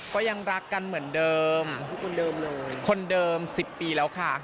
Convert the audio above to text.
ก็ยังรักกันเหมือนเดิมคนเดิม๑๐ปีแล้วค่ะ